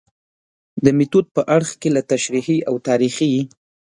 د میتود په اړخ کې له تشریحي او تاریخي